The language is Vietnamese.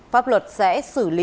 pháp luật sẽ xử lý